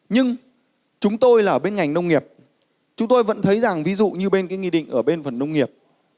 nhưng chúng tôi là bên ngành nông nghiệp chúng tôi vẫn thấy rằng ví dụ như bên cái nghị định ở bên phần nông nghiệp